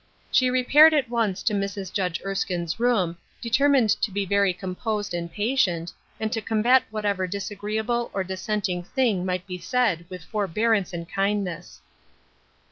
She repaired at once to Mrs. Judge Erskine's room, determined to be very composed And patient, and to combat whatever disagree *ble or dissenting thing might be said with for bearance and kindness.